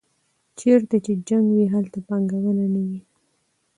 چېرته چې جنګ وي هلته پانګونه نه وي.